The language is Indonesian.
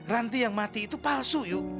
ranti yang mati itu palsu yuk